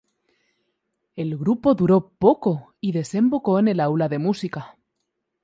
El grupo duró poco y desembocó en el Aula de Música.